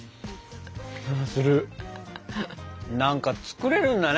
何か作れるんだね。